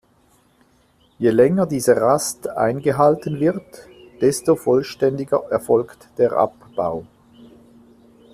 Je länger diese Rast eingehalten wird, desto vollständiger erfolgt der Abbau.